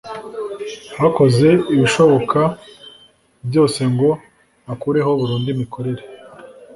yakoze ibishoboka byose ngo akureho burundu imikorere